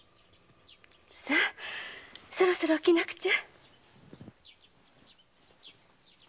さあそろそろ起きなくちゃ。